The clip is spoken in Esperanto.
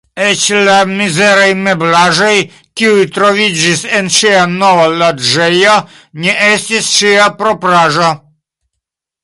Eĉ la mizeraj meblaĵoj, kiuj troviĝis en ŝia nova loĝejo, ne estis ŝia propraĵo.